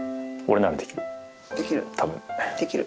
できる。